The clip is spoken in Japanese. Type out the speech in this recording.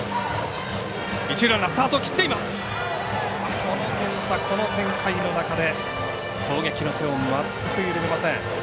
この点差、この展開の中で攻撃の手を全く緩めません。